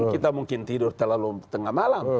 kita mungkin tidur terlalu tengah malam